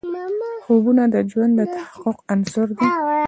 خوبونه د ژوند د تحقق عناصر دي.